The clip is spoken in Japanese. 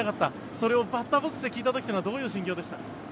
それをバッターボックスで聞いた時はどんな心境でした？